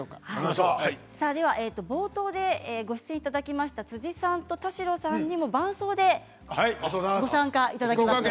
冒頭でご出演いただきました辻さんと田代さんにも伴奏でご参加いただきます。